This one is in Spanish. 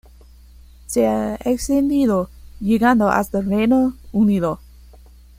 Se ha extendido llegando hasta Reino Unido.